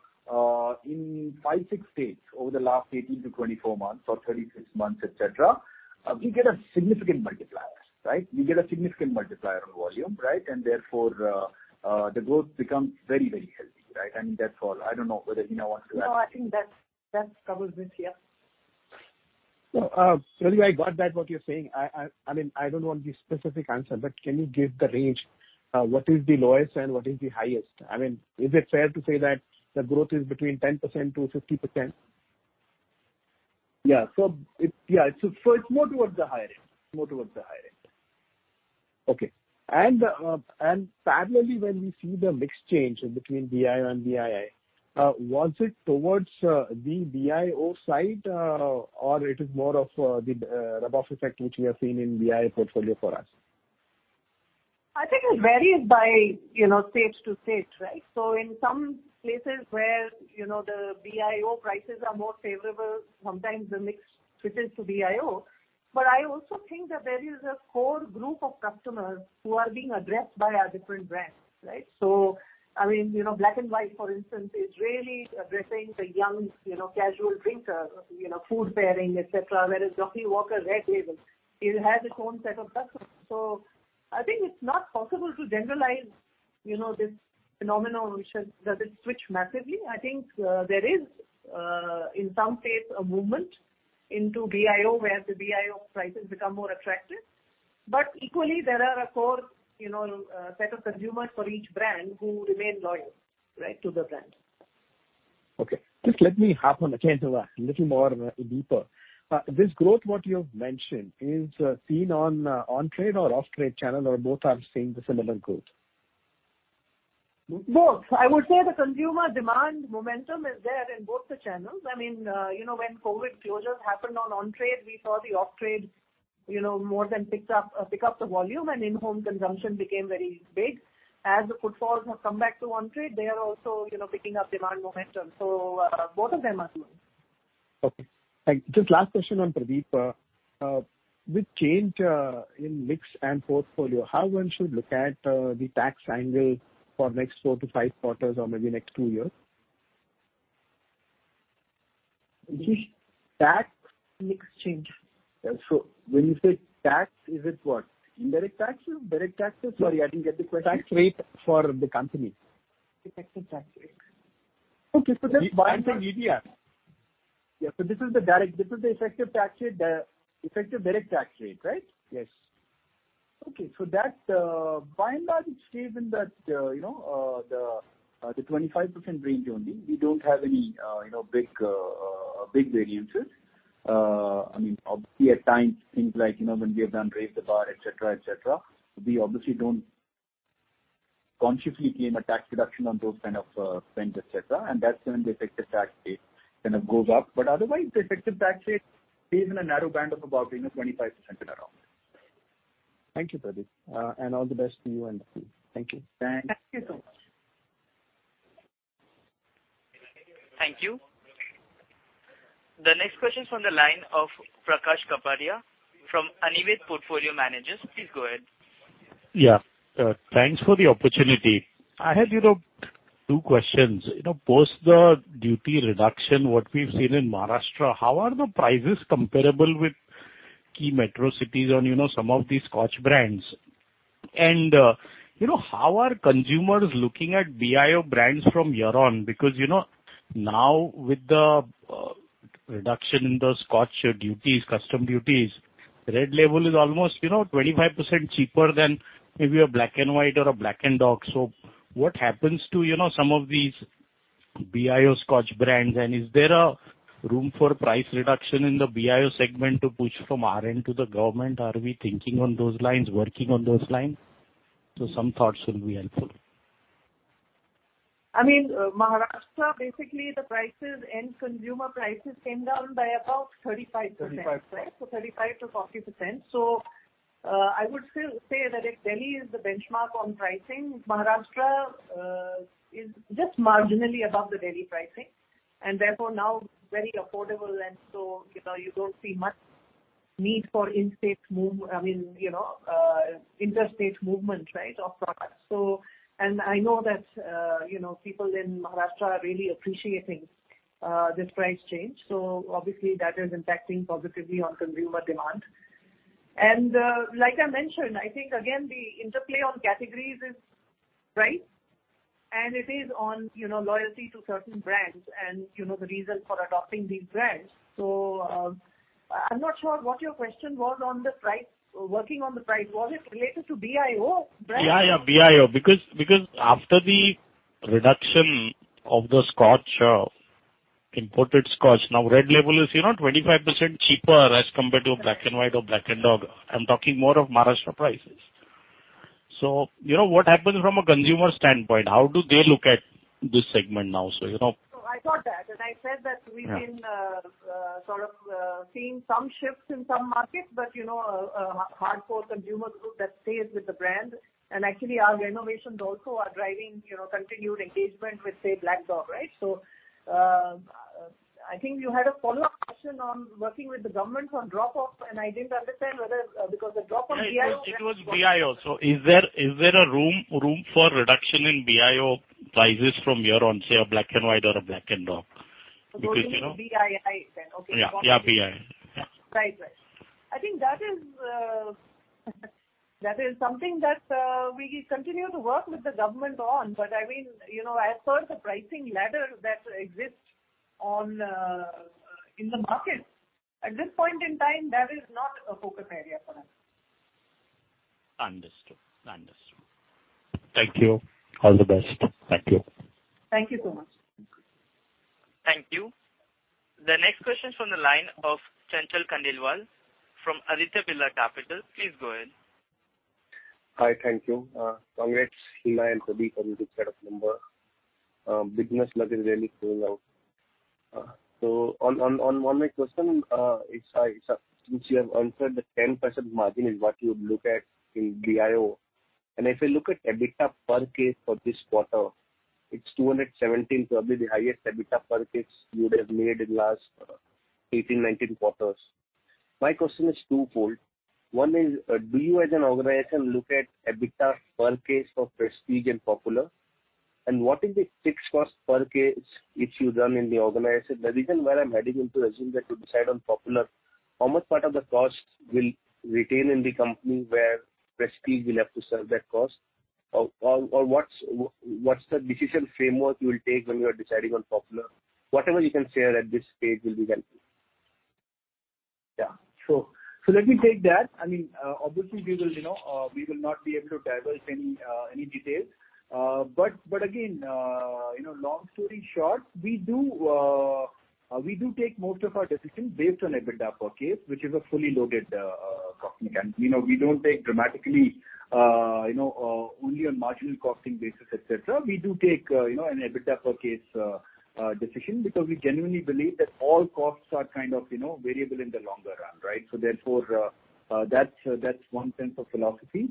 in five, six states over the last 18-24 months or 36 months, et cetera, we get a significant multiplier, right? We get a significant multiplier on volume, right? Therefore, the growth becomes very, very healthy, right? I mean, that's all. I don't know whether Hina wants to add. No, I think that's, that covers it. Yeah. Pradeep, I got that what you're saying. I mean, I don't want the specific answer, but can you give the range? What is the lowest and what is the highest? I mean, is it fair to say that the growth is between 10%-50%? Yeah. It's more towards the higher end. Parallelly, when we see the mix change between BIO and BII, was it towards the BIO side, or it is more of the rub off effect which we have seen in BIO portfolio for us? I think it varies by, you know, state to state, right? In some places where, you know, the BIO prices are more favorable, sometimes the mix switches to BIO. I also think that there is a core group of customers who are being addressed by our different brands, right? I mean, you know, Black and White, for instance, is really addressing the young, you know, casual drinker, you know, food pairing, et cetera, whereas Johnnie Walker Red Label, it has its own set of customers. I think it's not possible to generalize, you know, this phenomenon. Does it switch massively? I think there is, in some states, a movement into BIO where the BIO prices become more attractive. Equally, there are a core, you know, set of consumers for each brand who remain loyal, right, to the brand. Okay. Just let me harp on it again to a little more deeper. This growth what you have mentioned is seen on on-trade or off-trade channel, or both are seeing the similar growth? Both. I would say the consumer demand momentum is there in both the channels. I mean, you know, when COVID closures happened on-trade, we saw the off-trade pick up the volume and in-home consumption became very big. As the footfalls have come back to on-trade, they are also, you know, picking up demand momentum. Both of them are growing. Okay, thank you. Just last question on Pradeep. With change in mix and portfolio, how one should look at the tax angle for next four to five quarters or maybe next two years? Which is? Tax. Mix change. Yeah, when you say tax, is it what? Indirect taxes? Direct taxes? Sorry, I didn't get the question. Tax rate for the company. Effective tax rate. Okay, that's This is the effective tax rate, the effective direct tax rate, right? Yes. Okay. That, by and large, it stays in that, you know, the 25% range only. We don't have any, you know, big variances. I mean, obviously at times things like, you know, when we have done Raising the Bar, et cetera, we obviously don't consciously claim a tax deduction on those kind of spends, et cetera. That's when the effective tax rate kind of goes up. But otherwise, the effective tax rate stays in a narrow band of about, you know, 25% and around. Thank you, Pradeep. All the best to you and the team. Thank you. Thanks. Thank you so much. Thank you. The next question is from the line of Prakash Kapadia from Anvil Wealth Management. Please go ahead. Yeah. Thanks for the opportunity. I had, you know, two questions. You know, post the duty reduction, what we've seen in Maharashtra, how are the prices comparable with key metro cities on, you know, some of the scotch brands? You know, how are consumers looking at BIO brands from your own? Because, you know, now with the reduction in the scotch duties, customs duties, Red Label is almost, you know, 25% cheaper than maybe a Black and White or a Black Dog. What happens to, you know, some of these BIO scotch brands? And is there a room for price reduction in the BIO segment to push from our end to the government? Are we thinking on those lines, working on those lines? Some thoughts will be helpful. I mean, Maharashtra, basically the prices, end consumer prices came down by about 35%. 35%. Right. 35%-40%. I would still say that if Delhi is the benchmark on pricing, Maharashtra is just marginally above the Delhi pricing and therefore now very affordable and you know, you don't see much need for interstate movement, right, of products. I know that you know, people in Maharashtra are really appreciating this price change. Obviously that is impacting positively on consumer demand. Like I mentioned, I think again, the interplay on categories is price, and it is on you know, loyalty to certain brands and you know, the reason for adopting these brands. I'm not sure what your question was on the price, regarding the price. Was it related to BIO brands? BIO. Because after the reduction of the scotch, imported scotch, now Red Label is, you know, 25% cheaper as compared to a Black and White or Black Dog. I'm talking more of Maharashtra prices. What happens from a consumer standpoint? How do they look at this segment now? I got that, and I said that we've been sort of seeing some shifts in some markets, but you know, a hardcore consumer group that stays with the brand. Actually our innovations also are driving, you know, continued engagement with, say, Black Dog, right? I think you had a follow-up question on working with the government on drop-off, and I didn't understand whether, because the drop-off in BIO. It was BIO. Is there a room for reduction in BIO prices from your own, say, a Black and White or a Black Dog? Because, you know- Talking of BII then. Okay. Yeah. Yeah, BI. Yeah. Right. I think that is something that we continue to work with the government on. I mean, you know, as per the pricing ladder that exists in the market, at this point in time, that is not a focus area for us. Understood. Thank you. All the best. Thank you. Thank you so much. Thank you. The next question is from the line of Chanchal Khandelwal from Aditya Birla Capital. Please go ahead. Hi. Thank you. Congrats, Hina and Pradeep, on the good set of numbers. Business looks really good now. On one quick question, it's since you have answered the 10% margin is what you would look at in BIO. If you look at EBITDA per case for this quarter, it's 217, probably the highest EBITDA per case you would have made in the last 18, 19 quarters. My question is twofold. One is, do you as an organization look at EBITDA per case for Prestige and Popular? And what is the fixed cost per case if you run the organization? The reason why I'm adding into the zoom that you decide on Popular, how much part of the cost will remain in the company where Prestige will have to serve that cost? What's the decision framework you will take when you are deciding on Popular? Whatever you can share at this stage will be helpful. Yeah. Sure. Let me take that. I mean, obviously we will, you know, we will not be able to divulge any details. But again, you know, long story short, we do take most of our decisions based on EBITDA per case, which is a fully loaded. You know, we don't take decisions only on marginal costing basis, et cetera. We do take an EBITDA per case decision because we genuinely believe that all costs are kind of, you know, variable in the longer run, right? Therefore, that's one sense of philosophy.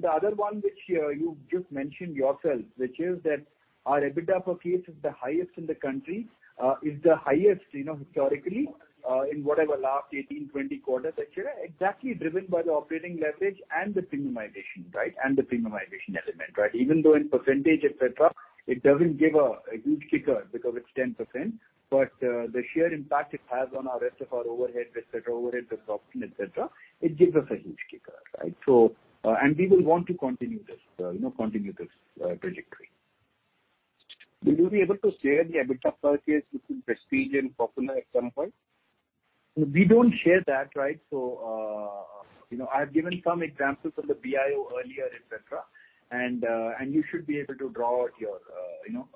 The other one which you just mentioned yourself, which is that our EBITDA per case is the highest in the country, is the highest you know historically in whatever last 18, 20 quarters, et cetera, exactly driven by the operating leverage and the premiumization, right? The premiumization element, right? Even though in percentage, et cetera, it doesn't give a huge kicker because it's 10%, but the sheer impact it has on our rest of our overheads and profit, et cetera, it gives us a huge kicker, right? We will want to continue this trajectory. Will you be able to share the EBITDA per case between Prestige and Popular at some point? We don't share that, right? You know, I've given some examples of the BIO earlier, et cetera. You should be able to draw your, you know,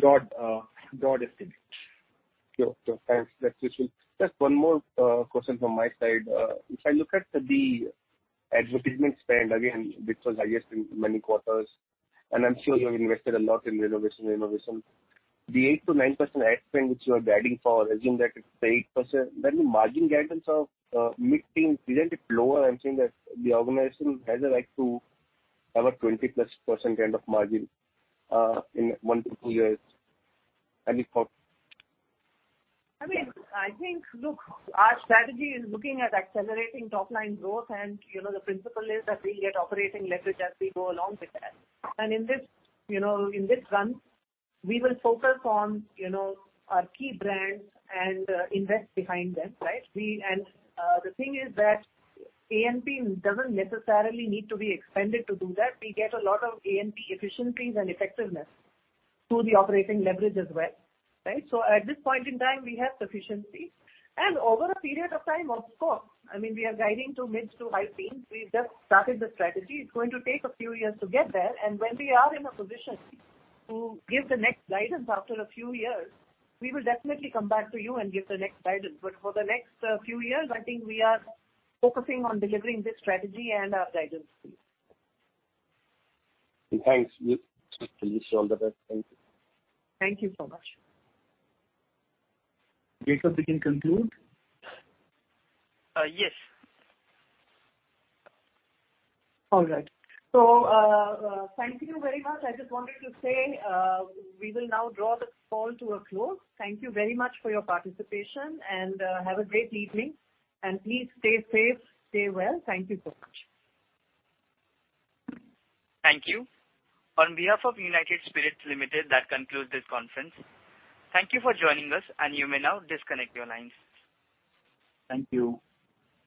broad estimate. Sure. Thanks. That's useful. Just one more question from my side. If I look at the advertisement spend again, which was highest in many quarters, and I'm sure you have invested a lot in renovation. The 8%-9% ad spend which you are guiding for, assume that it's 8%, then the margin guidance of mid-teens, isn't it lower? I'm saying that the organization has a right to have a 20%+ kind of margin in one-two years. Any thought? I mean, I think, look, our strategy is looking at accelerating top-line growth. You know, the principle is that we get operating leverage as we go along with that. In this, you know, in this run, we will focus on, you know, our key brands and invest behind them, right? The thing is that A&P doesn't necessarily need to be expanded to do that. We get a lot of A&P efficiencies and effectiveness through the operating leverage as well, right? At this point in time, we have sufficiency. Over a period of time, of course, I mean, we are guiding to mid to high teens. We've just started the strategy. It's going to take a few years to get there. When we are in a position to give the next guidance after a few years, we will definitely come back to you and give the next guidance. For the next few years, I think we are focusing on delivering this strategy and our guidance to you. Thanks. Wish you all the best. Thank you. Thank you so much. Jacob, we can conclude. Yes. All right. Thank you very much. I just wanted to say, we will now draw this call to a close. Thank you very much for your participation, and have a great evening, and please stay safe, stay well. Thank you so much. Thank you. On behalf of United Spirits Limited, that concludes this conference. Thank you for joining us, and you may now disconnect your lines. Thank you.